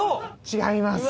違います。